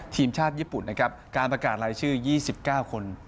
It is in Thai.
ทีมชาติญี่ปุ่นนะครับการประกาศรายชื่อ๒๙คน